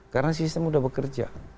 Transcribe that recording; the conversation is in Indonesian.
karena sistem sudah bekerja